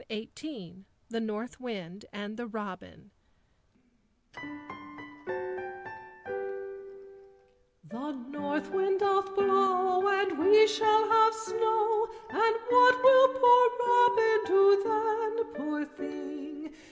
[Illustration: THE NORTH WIND & THE ROBIN] [Music: The north wind doth blow And we shall have snow, And what will poor Robin do then poor thing?